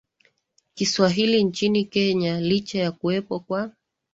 Kiswahili nchini Kenya licha ya kuwepo kwa